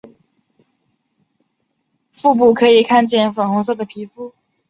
腹部可以看见粉红色的皮肤。